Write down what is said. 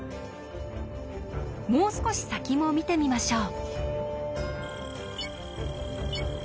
もう少し先も見てみましょう。